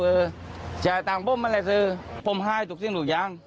คือจ่ายตังค์ผมมันเลยซื้อผมไห้ทุกสิ่งทุกอย่าง